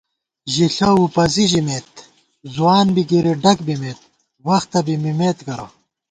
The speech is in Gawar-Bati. ژِݪہ وُپَزی ژِمېت ځوان بی گِری ڈگ بِمېت، وختہ بی مِمېت کرہ